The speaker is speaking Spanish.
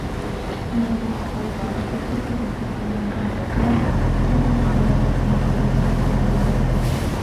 En algunos países asiáticos, especialmente en Japón son consideradas una delicia culinaria.